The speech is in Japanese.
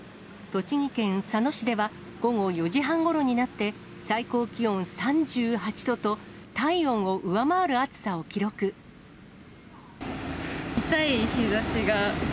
栃木県佐野市では、午後４時半ごろになって、最高気温３８度と、痛い、日ざしが。